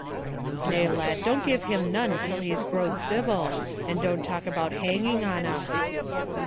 "Nay, lad, don't give him none till he's grow'd civil, and don't talk about hanging on us."